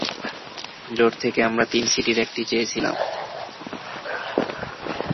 জোট থেকে আমরা তিন সিটির একটি চেয়েছিলাম।